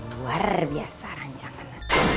luar biasa rancangan